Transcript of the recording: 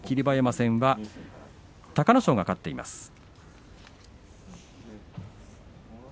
馬山戦は隆の勝が勝っています。